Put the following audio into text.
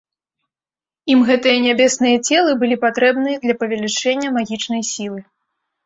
Ім гэтыя нябесныя целы былі патрэбны для павялічэння магічнай сілы.